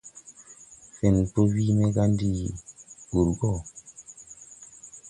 Fẽn po wii me gá ndi ur gɔ.